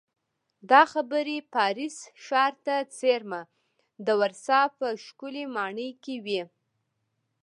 دا خبرې پاریس ښار ته څېرمه د ورسا په ښکلې ماڼۍ کې وې